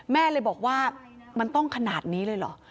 แม่เลยบอกว่ามันต้องขนาดนี้เลยเหรอ